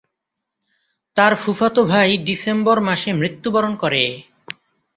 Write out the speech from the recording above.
তার ফুফাতো ভাই ডিসেম্বর মাসে মৃত্যুবরণ করে।